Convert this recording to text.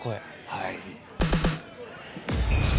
はい。